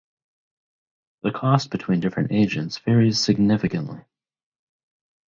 The cost between different agents varies significantly.